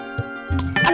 rejeki budak soleh